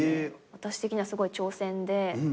私的にはすごい挑戦で。